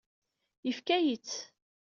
Yefka-yi-tt.